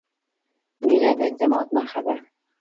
• مینه د اعتماد نښه ده.